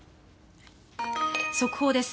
速報です。